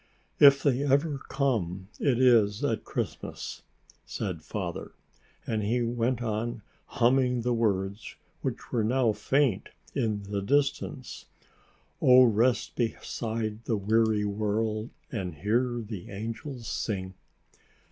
"If they ever come, it is at Christmas," said Father, and he went on humming the words which were now faint in the distance. "O rest beside the weary road, And hear the angels sing."